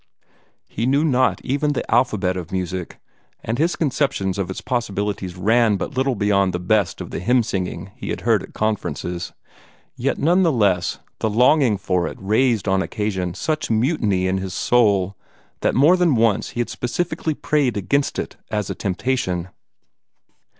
He knew not even the alphabet of music, and his conceptions of its possibilities ran but little beyond the best of the hymn singing he had heard at Conferences, yet none the less the longing for it raised on occasion such mutiny in his soul that more than once he had specifically prayed against it as a temptation.